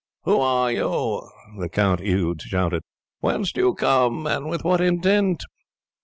"Who are you?" the Count Eudes shouted. "Whence do you come and with what intent?"